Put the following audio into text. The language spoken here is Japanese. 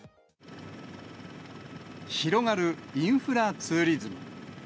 広がるインフラツーリズム。